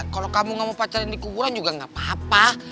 kalau kamu gak mau pacaran di kuburan juga gak apa apa